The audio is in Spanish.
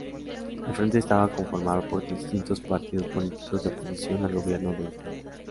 El frente estaba conformado por distintos partidos políticos de oposición al gobierno de Hurtado.